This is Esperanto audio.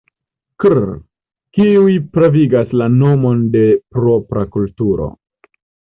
Kr., kiuj pravigas la nomon de propra kulturo.